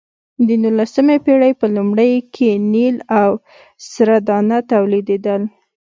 د نولسمې پېړۍ په لومړیو کې نیل او سره دانه تولیدېدل.